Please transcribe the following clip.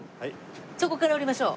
そこから降りましょう。